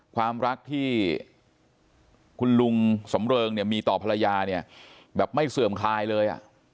ความรักที่คุณลุงสำเริงเนี่ยมีต่อภรรยาเนี่ยแบบไม่เสื่อมคลายเลย